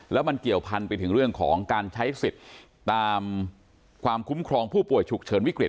แล้วมันเกี่ยวพันไปถึงเรื่องของการใช้สิทธิ์ตามความคุ้มครองผู้ป่วยฉุกเฉินวิกฤต